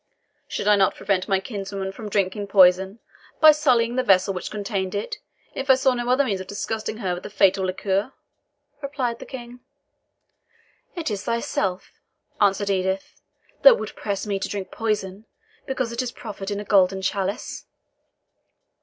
"Should I not prevent my kinswoman from drinking poison, by sullying the vessel which contained it, if I saw no other means of disgusting her with the fatal liquor?" replied the King. "It is thyself," answered Edith, "that would press me to drink poison, because it is proffered in a golden chalice."